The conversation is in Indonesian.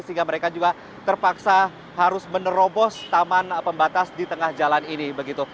sehingga mereka juga terpaksa harus menerobos taman pembatas di tengah jalan ini begitu